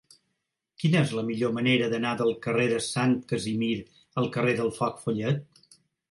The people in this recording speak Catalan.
Quina és la millor manera d'anar del carrer de Sant Casimir al carrer del Foc Follet?